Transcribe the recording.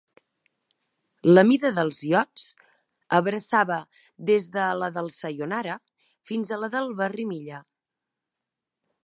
La mida dels iots abraçava des de la del "Sayonara" fins a la del "Berrimilla".